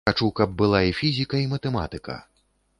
Хачу, каб была і фізіка, і матэматыка.